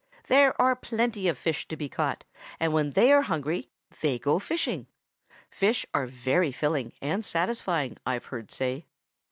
There are plenty of fish to be caught, and when they are hungry they go fishing. Fish are very filling and satisfying, I've heard say.